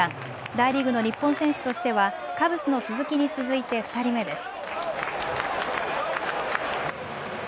大リーグの日本選手としてはカブスの鈴木に続いて２人目です。